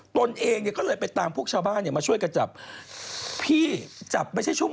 ตนเองก็เลยไปตามท่าบ้านมาช่วยกันจับ